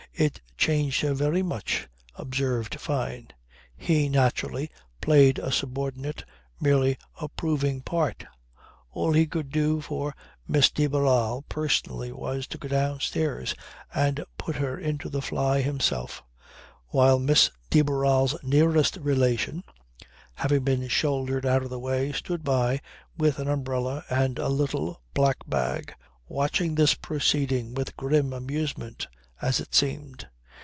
It changed her very much, observed Fyne. He, naturally, played a subordinate, merely approving part. All he could do for Miss de Barral personally was to go downstairs and put her into the fly himself, while Miss de Barral's nearest relation, having been shouldered out of the way, stood by, with an umbrella and a little black bag, watching this proceeding with grim amusement, as it seemed.